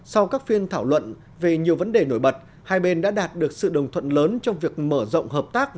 sau các phiên thảo luận về nhiều vấn đề nổi bật hai bên đã đạt được sự đồng thuận lớn trong việc mở rộng hợp tác